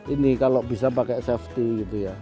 ini kalau bisa pakai safety gitu ya